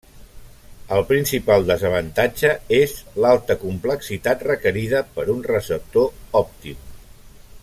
El principal desavantatge és l'alta complexitat requerida per un receptor òptim.